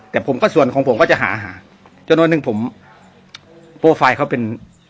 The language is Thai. แต่ผมก็ส่วนของผมก็จะหาหาจนวันหนึ่งผมโปรไฟล์เขาเป็น